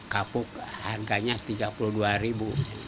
kapuk harganya rp tiga puluh dua ribu